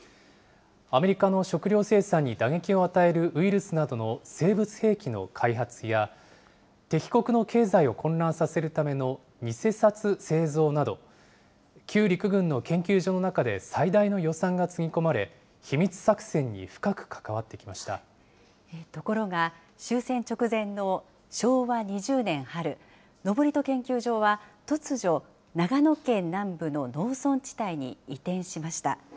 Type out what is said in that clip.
アメリカの食糧生産に打撃を与えるウイルスなどの生物兵器の開発や、敵国の経済を混乱させるための偽札製造など、旧陸軍の研究所の中で最大の予算がつぎ込まれ、秘密作戦に深く関ところが、終戦直前の昭和２０年春、登戸研究所は突如、長野県南部の農村地帯に移転しました。